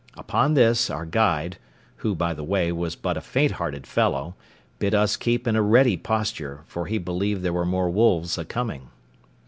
Upon this, our guide, who, by the way, was but a fainthearted fellow, bid us keep in a ready posture, for he believed there were more wolves a coming.